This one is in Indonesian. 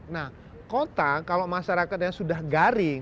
nah kota kalau masyarakatnya sudah garing